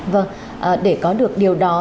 vâng để có được điều đó